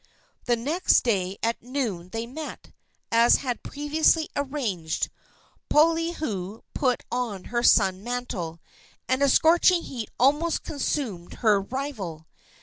The next day at noon they met, as had been previously arranged. Poliahu put on her sun mantle, and a scorching heat almost consumed her rival.